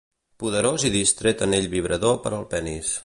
Poderós i distret anell vibrador per al penis.